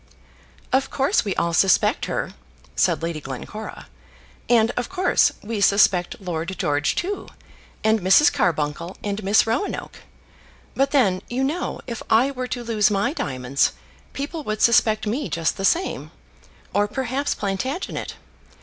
"Of course, we all suspect her," said Lady Glencora; "and, of course, we suspect Lord George too, and Mrs. Carbuncle and Miss Roanoke. But then, you know, if I were to lose my diamonds, people would suspect me just the same, or perhaps Plantagenet.